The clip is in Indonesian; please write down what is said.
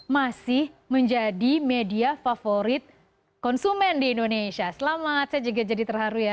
masih menjadi media favorit konsumen di indonesia selamat saya juga jadi terharu ya